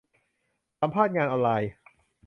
สัมภาษณ์งานออนไลน์